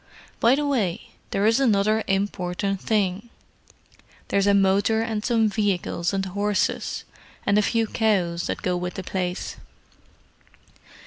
By the way, there is another important thing: there's a motor and some vehicles and horses, and a few cows, that go with the place.